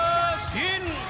perkara yang lebih semangat